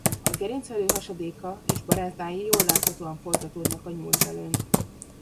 A gerincvelő hasadéka és barázdái jól láthatóan folytatódnak a nyúltvelőn.